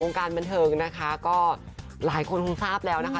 การบันเทิงนะคะก็หลายคนคงทราบแล้วนะคะ